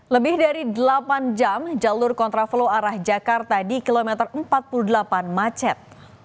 lebih dari delapan jam jalur kontraflow arah jakarta di kilometer empat puluh delapan macet